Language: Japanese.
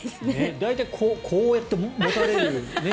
大体、こうやって持たれる。